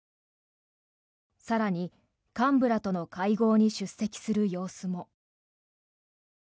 更に、幹部らとの会合に出席する様子も。